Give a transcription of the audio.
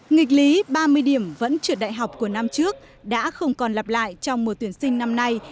nghịch lý ba mươi điểm vẫn trượt đại học của năm trước đã không còn lặp lại trong mùa tuyển sinh năm nay